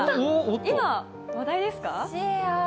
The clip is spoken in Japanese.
今話題ですか？